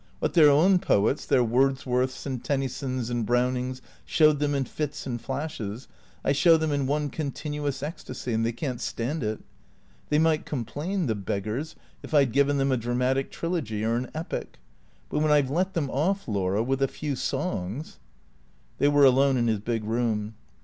What their own poets, their Wordsworths and Tennysons and Brownings showed them in fits and flashes, I show them in one continuous ecstasy, and they can't stand it. They might complain, the beggars, if I 'd given them a dramatic trilogy or an epic. But when I 've let them off, Laura, with a few songs !" They were alone in his big room.